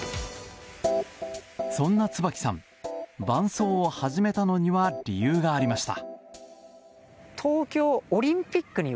そんな椿さん伴走を始めたのには理由がありました。